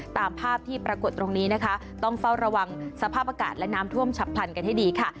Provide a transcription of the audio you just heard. ตามภาพที่ปรากฏตรงนี้นะคะต้องเฝ้าระวังสภาพอากาศและน้ำท่วมฉับพลันกันให้ดีค่ะ